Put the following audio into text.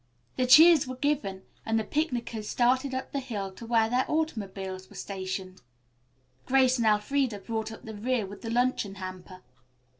The cheers were given and the picnickers started up the hill to where their automobiles were stationed. Grace and Elfreda brought up the rear with the luncheon hamper.